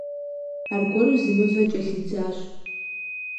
Аргуэру зы мывэ кӀэлъидзащ.